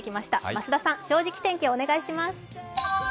増田さん、「正直天気」をお願いします。